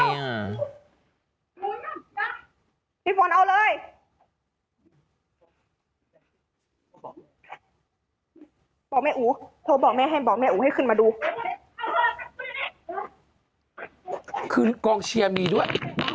ฮิลคือโกลเชียร์มีด้วย